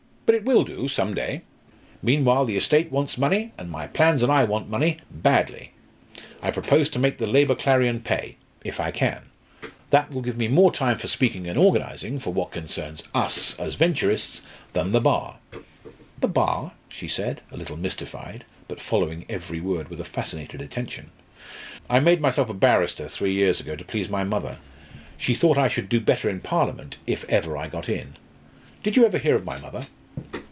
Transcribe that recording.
But it will do some day. Meanwhile the estate wants money and my plans and I want money badly. I propose to make the Labour Clarion pay if I can. That will give me more time for speaking and organising, for what concerns us as Venturists than the Bar." "The Bar?" she said, a little mystified, but following every word with a fascinated attention. "I made myself a barrister three years ago, to please my mother. She thought I should do better in Parliament if ever I got in. Did you ever hear of my mother?"